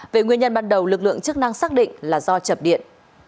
về nguyên nhân ban đầu lực lượng chức năng xác định là do chập điện